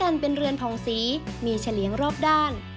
อันเป็นเรือนผ่องสีมีเฉลี่ยงรอบด้าน